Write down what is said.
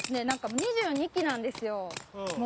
なんか２２期なんですよ。